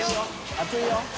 熱いよ！